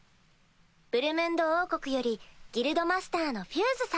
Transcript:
ブルムンド王国よりギルドマスターのフューズ様。